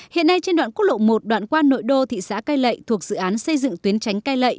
hiện nay trên đoạn quốc lộ một đoạn qua nội đô thị xã cây lệ thuộc dự án xây dựng tuyến tránh cây lệ